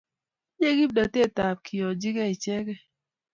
tinye kimnatet ab koyanchigei ichegei